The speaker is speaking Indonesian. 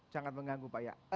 sangat mengganggu pak ya